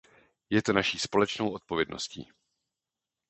Je to naší společnou odpovědností.